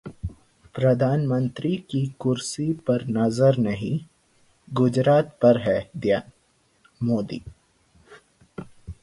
प्रधानमंत्री की कुर्सी पर नजर नहीं, गुजरात पर है ध्यानः मोदी